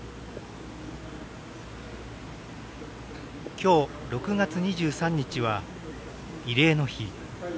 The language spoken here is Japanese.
今日６月２３日は、慰霊の日。